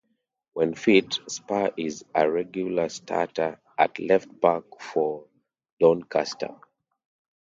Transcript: When fit, Spurr is a regular starter at left back for Doncaster.